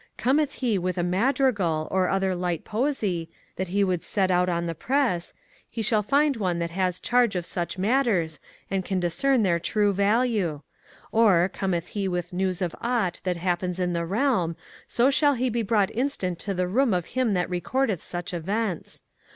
Cometh he with a madrigal or other light poesy that he would set out on the press, he shall find one that has charge of such matters and can discern their true value. Or, cometh he with news of aught that happens in the realm, so shall he be brought instant to the room of him that recordeth such events.